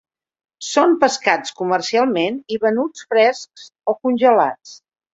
Són pescats comercialment i venuts frescs o congelats.